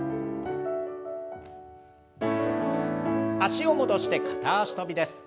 脚を戻して片脚跳びです。